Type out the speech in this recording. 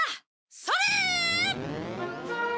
それ！